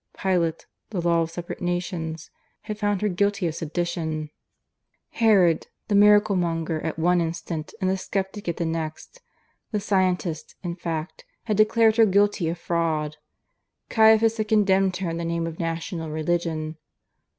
Pilate the Law of Separate Nations had found her guilty of sedition; Herod the miracle monger at one instant and the sceptic at the next the Scientist, in fact had declared her guilty of fraud; Caiaphas had condemned her in the name of National Religion.